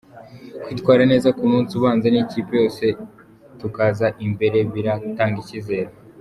Kwitwara neza ku munsi ubanza n’ikipe yose tukaza imbere biratanga icyizere.